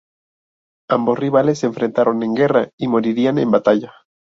Ambos rivales se enfrentaron en guerra y morirían en batalla.